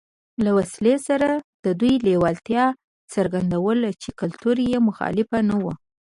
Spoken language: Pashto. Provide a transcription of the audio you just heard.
له وسلې سره د دوی لېوالتیا څرګندوله چې کلتور یې مخالف نه و